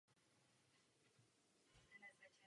Přispěly k tomu nedávné volby.